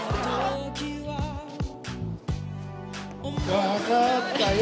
わかったよ。